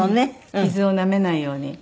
傷をなめないように。